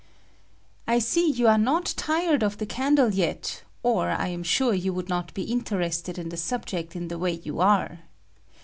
I SEE yon are not tired of tlie candle yet, or I I am sure you would not be interested in the subject in the way you are.